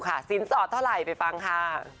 เรียกสินสดเท่าไรคะ